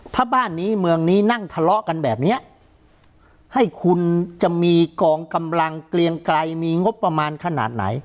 ถ้าบ้านนี้เมืองนี้นั่งทะเลาะกันแบบเนี้ยให้คุณจะมีกองกำลังเกลียงไกรมีงบประมาณขนาดไหน